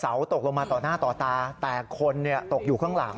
ตกลงมาต่อหน้าต่อตาแต่คนตกอยู่ข้างหลัง